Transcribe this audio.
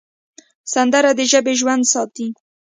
سندره د ژبې ژوند ساتي